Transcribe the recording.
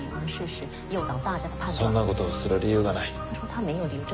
そんな事をする理由がない。